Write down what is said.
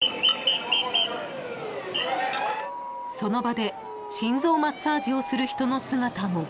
［その場で心臓マッサージをする人の姿も］